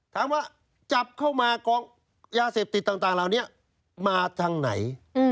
ถามว่าจับเข้ามากองยาเสพติดต่างเหล่านี้มาทางไหน